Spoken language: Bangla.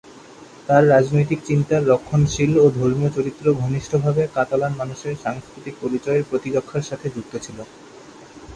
তার রাজনৈতিক চিন্তার রক্ষণশীল ও ধর্মীয় চরিত্র ঘনিষ্ঠভাবে কাতালান মানুষের সাংস্কৃতিক পরিচয়ের প্রতিরক্ষার সাথে যুক্ত ছিল।